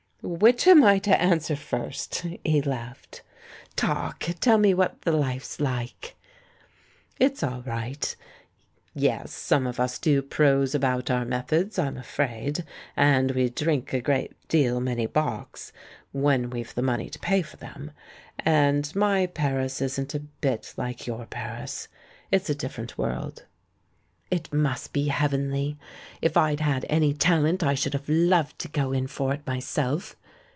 "Which am I to answer first?" he laughed. "Talk! Tell me what the hfe's like." "It's all right. Yes, some of us do prose about our methods, I'm afraid, and we drink a great many bocks — when we've the money to pay for them; and my Paris isn't a bit like your Paris — it's a different world." "It must be heavenly. If I'd had any talent I should have loved to go in for it myself.